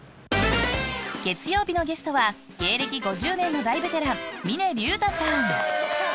月曜日のゲストは芸歴５０年の大ベテラン峰竜太さん。